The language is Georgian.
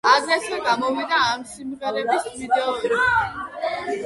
აგრეთვე გამოვიდა ამ სიმღერების ვიდეოები.